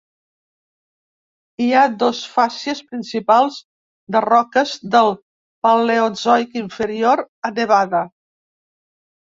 Hi ha dos fàcies principals de roques del Paleozoic inferior a Nevada.